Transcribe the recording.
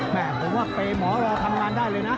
ผมว่าเปย์หมอรอทำงานได้เลยนะ